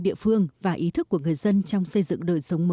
địa phương và ý thức của người dân trong xây dựng đời sống mới